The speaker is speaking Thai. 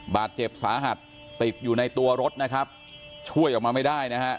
บาดเจ็บสาหัสติดอยู่ในตัวรถนะครับช่วยออกมาไม่ได้นะฮะ